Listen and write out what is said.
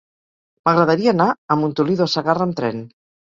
M'agradaria anar a Montoliu de Segarra amb tren.